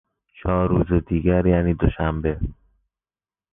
چهار روز دیگر یعنی دوشنبه